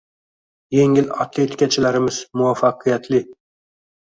Yengil atletikachilarimiz muvaffaqiyati